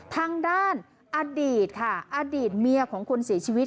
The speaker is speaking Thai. ทางด้านอดีตค่ะอดีตเมียของคนเสียชีวิต